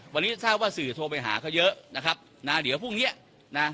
วันนี้ทราบว่าสื่อโทรไปหาเขาเยอะนะครับนะเดี๋ยวพรุ่งเนี้ยนะ